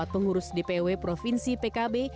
tiga puluh empat pengurus dpw provinsi pkb